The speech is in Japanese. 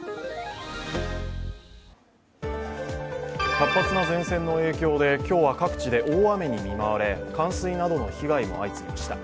活発な前線の影響で今日は、各地で大雨に見舞われ冠水などの被害も相次ぎました。